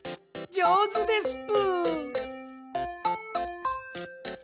じょうずですぷ。